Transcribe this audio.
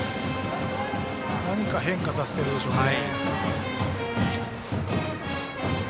何か変化させてるでしょうね。